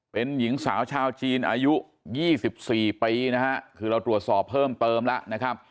เป็นหญิงสาวชาวจีนอายุ๒๔ปีนะฮะคือเราตรวจสอบเพิ่มเติมแล้วนะครับ